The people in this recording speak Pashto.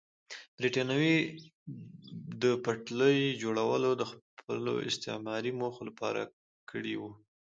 برېټانویانو د پټلۍ جوړول د خپلو استعماري موخو لپاره کړي وو.